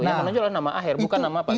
yang menonjol adalah nama aher bukan nama pak